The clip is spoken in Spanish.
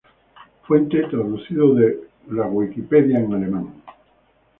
Fuente: Traducido de Wikipedia en alemán